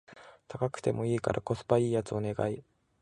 高くてもいいからコスパ良いやつお願い